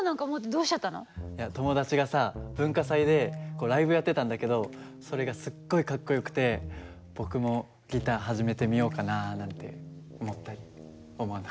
いや友達がさ文化祭でライブやってたんだけどそれがすっごいかっこよくて僕もギター始めてみようかなあなんて思ったり思わなかったり。